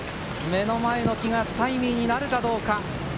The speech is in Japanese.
目の前の木がスタイミーになるかどうか。